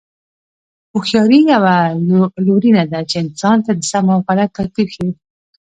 هوښیاري یوه لورینه ده چې انسان ته د سم او غلط توپیر ښيي.